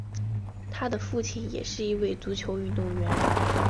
他的父亲也是一位足球运动员。